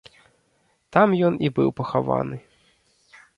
Там ён і быў пахаваны.